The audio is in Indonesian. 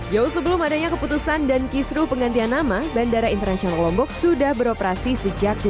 jauh sebelum adanya keputusan dan kisruh penggantian nama bandara internasional lombok sudah beroperasi sejak dua ribu